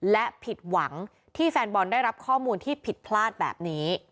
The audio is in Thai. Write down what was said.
และผิดหวังที่แฟนบอลได้รับข้อมูลที่ผิดพลาดแบบนี้